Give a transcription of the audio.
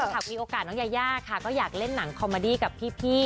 หากมีโอกาสน้องยายาค่ะก็อยากเล่นหนังคอมเมอดี้กับพี่